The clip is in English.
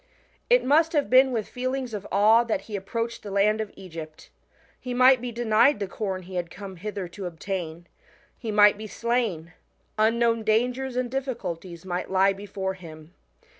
It must have been with feelings of awe that he approached the land of Egypt. He might be denied the corn he had come hither to obtain, he might be slain, unknown dangers and difficulties might lie before him.